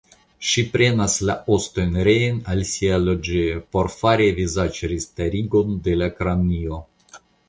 Ŝi prenas la ostojn reen al sia loĝejo por fari vizaĝrestarigo de la kranio.